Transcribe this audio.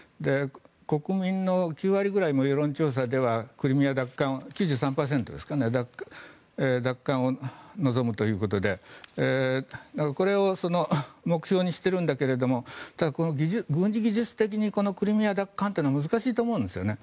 国民の９割ぐらいが世論調査では９３％ですかね奪還を望むということでこれを目標にしているんだけれど軍事技術的にこのクリミア奪還というのは難しいと思うんですよね。